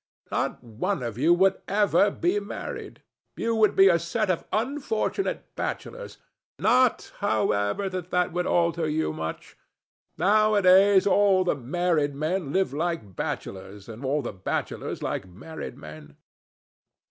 Not one of you would ever be married. You would be a set of unfortunate bachelors. Not, however, that that would alter you much. Nowadays all the married men live like bachelors, and all the bachelors like married men."